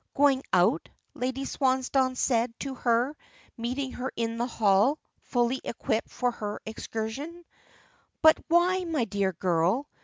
"Going out?" Lady Swansdown had said to her, meeting her in the hall, fully equipped for her excursion. "But why, my dear girl?